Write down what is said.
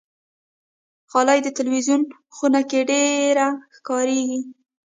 غالۍ د تلویزون خونه کې ډېره کاریږي.